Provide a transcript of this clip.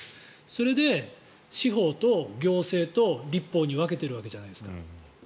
それで、司法と行政と立法に分けてるわけじゃないですか。